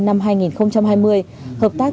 năm hai nghìn hai mươi hợp tác